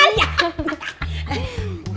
dekatnya sih kan